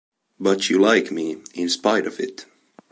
But you like me, in spite of it?